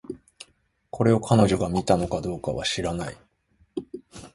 これを、彼女が見たのかどうかは知らない